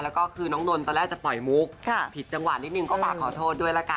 แล้วก็คือน้องนนท์ตอนแรกจะปล่อยมุกผิดจังหวะนิดนึงก็ฝากขอโทษด้วยละกัน